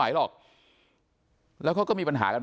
ฝ่ายกรเหตุ๗๖ฝ่ายมรณภาพกันแล้ว